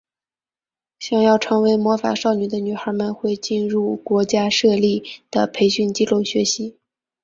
想要成为魔法少女的女孩们会进入国家设立的培训机构学习。